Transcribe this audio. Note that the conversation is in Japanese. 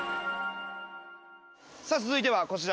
さあ続いてはこちら。